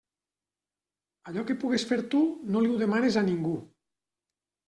Allò que pugues fer tu no li ho demanes a ningú.